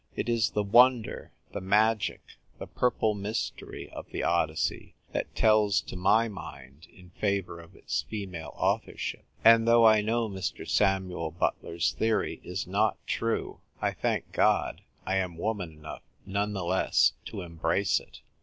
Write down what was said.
It is the wonder, the magic, the pu/ple mystery, of the Odyssey that tells to rny mind in favour of its female authorship. And though I know Mr. Samuel Butler's theory is not true, 1 thank God I 14 THE TYPE WRITER GIRL. am woman enough none the less to embrace it.